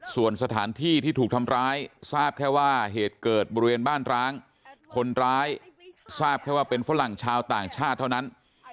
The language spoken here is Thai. ส่วนสถานที่ที่ถูกทำร้ายทราบแค่ว่าเหตุเกิดบริเวณบ้านร้างคนร้ายทราบแค่ว่าเป็นฝรั่งชาวต่างชาติเท่านั้น